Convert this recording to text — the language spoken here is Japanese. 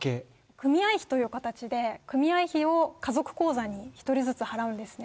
組合費という形で、組合費を家族口座に１人ずつ払うんですね。